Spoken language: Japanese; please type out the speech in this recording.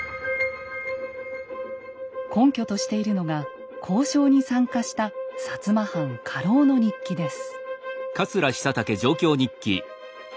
根拠としているのが交渉に参加した摩藩家老の日記です。